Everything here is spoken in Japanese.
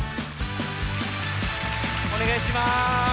おねがいします。